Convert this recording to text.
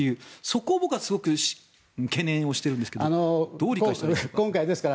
そこを僕は懸念をしてるんですけどどう理解したらいいですか？